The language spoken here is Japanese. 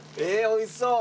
おいしそう。